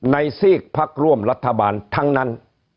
ซีกพักร่วมรัฐบาลทั้งนั้น